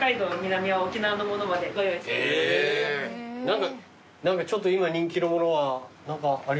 何かちょっと今人気のものは何かありますか？